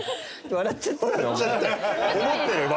笑っちゃったよ。